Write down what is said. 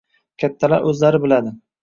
«Kattalar o‘zlari biladi»